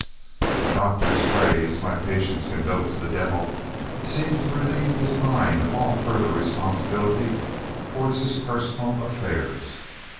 The Doctor's phrase, "My patients can go to the devil," seemed to relieve his mind of all further responsibility towards his personal affairs.